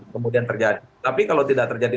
kemudian terjadi tapi kalau tidak terjadi